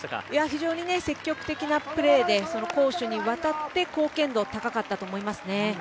非常に積極的なプレーで攻守にわたって貢献度、高かったと思いますね。